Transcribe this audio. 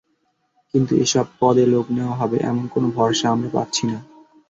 কিন্তু এসব পদে লোক নেওয়া হবে, এমন কোনো ভরসা আমরা পাচ্ছি না।